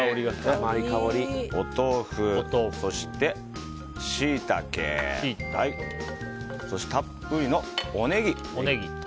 お豆腐、そしてシイタケそしてたっぷりのおネギ。